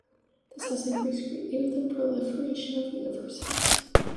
This has increased greatly with the proliferation of universities.